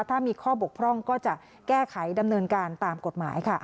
ถ้ามีข้อบกพร่องก็จะแก้ไขดำเนินการตามกฎหมายค่ะ